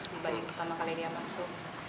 dibanding pertama kali dia masuk